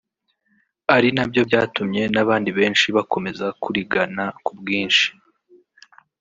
ari nabyo byatumye n’abandi benshi bakomeza kurigana ku bwinshi